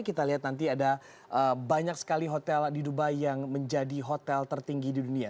kita lihat nanti ada banyak sekali hotel di dubai yang menjadi hotel tertinggi di dunia